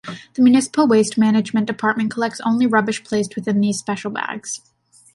The municipal waste management department collects only rubbish placed within these special bags.